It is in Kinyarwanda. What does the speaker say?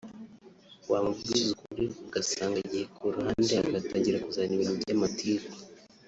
wamubwiza ukuri ugasanga agiye ku ruhande agatangira kuzana ibintu by’amatiku